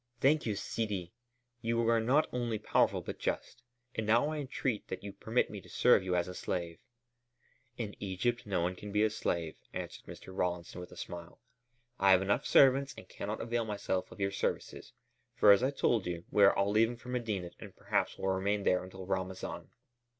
"Thank you, Sidi! You are not only powerful, but just. And now I entreat that you permit me to serve you as a slave." "In Egypt no one can be a slave," answered Mr. Rawlinson with a smile. "I have enough servants and cannot avail myself of your services; for, as I told you, we all are leaving for Medinet and perhaps will remain there until Ramazan."